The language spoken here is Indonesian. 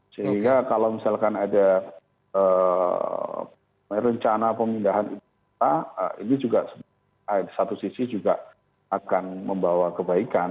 sehingga kalau misalkan ada rencana pemindahan ibu kota ini juga di satu sisi juga akan membawa kebaikan